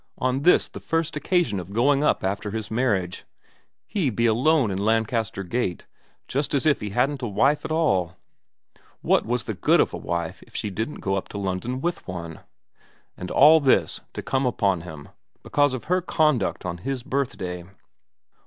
On this the first occasion of going up after his marriage ? He be alone in Lancaster Gate, just as if he hadn't a wife at all ? What was the good of a wife if she didn't go up to London with one ? And all this to come upon Him because of her conduct on his birthday.